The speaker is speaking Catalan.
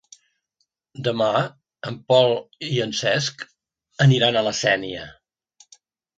Demà en Pol i en Cesc aniran a la Sénia.